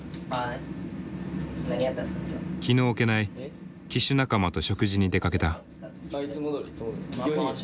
気の置けない騎手仲間と食事に出かけた。